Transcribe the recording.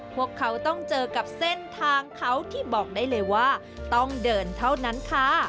พวกเขาต้องเจอกับเส้นทางเขาที่บอกได้เลยว่าต้องเดินเท่านั้นค่ะ